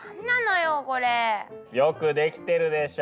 よくできてるでしょ。